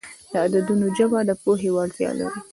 د عددونو ژبه د پوهې وړتیا لري.